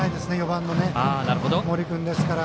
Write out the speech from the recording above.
４番の森君ですから。